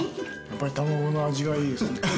やっぱりたまごの味がいいですね。